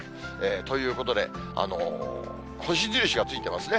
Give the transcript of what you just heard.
ということで、星印がついてますね。